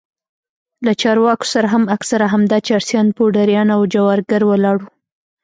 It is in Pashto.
له چارواکو سره هم اکثره همدا چرسيان پوډريان او جوارگر ولاړ وو.